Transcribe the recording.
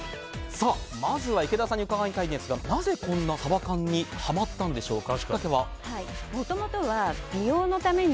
まずは池田さんに伺いたいんですがなぜ、こんなにサバ缶にハマったんでしょうか。